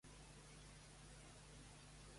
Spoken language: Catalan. Per què més va ser una persona important a Olot?